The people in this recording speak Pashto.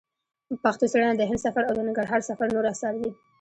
پښتو څېړنه د هند سفر او د ننګرهار سفر نور اثار دي.